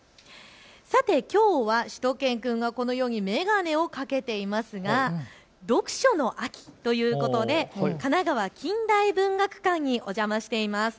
さてきょうはしゅと犬くんがこのように眼鏡をかけていますが読書の秋ということで神奈川近代文学館にお邪魔しています。